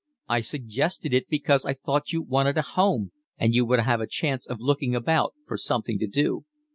I suggested it because I thought you wanted a home and you would have a chance of looking about for something to do."